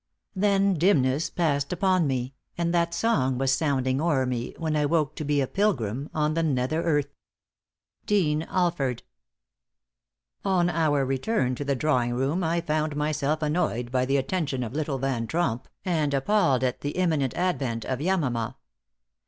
* Then dimness passed upon me, and that song Was sounding o'er me when I woke To be a pilgrim on the nether earth. Dean Alford. On our return to the drawing room, I found myself annoyed by the attention of little Van Tromp and appalled by the imminent advent of Yamama.